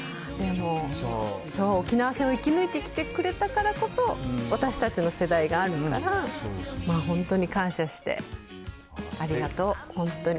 そう、沖縄戦を生き抜いてきてくれたからこそ、私たちの世代があるから、まあ本当に感謝して、ありがとう、本当に。